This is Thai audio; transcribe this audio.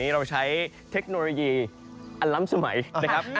เรามีเทคโนโลยีอัลลัมป์สมัยนะครับ